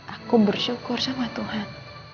aku bersyukur sama tuhan